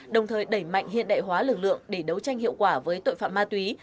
đồng thời đẩy mạnh hiện đại hóa lực lượng để đấu tranh hiệu quả với tội phạm ma túy